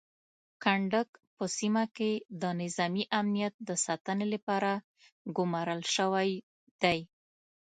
کنډک په سیمه کې د نظامي امنیت د ساتنې لپاره ګمارل شوی دی.